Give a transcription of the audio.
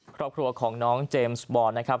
ครอบครัวของน้องเจมส์บอลนะครับ